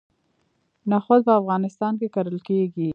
نخود په افغانستان کې کرل کیږي.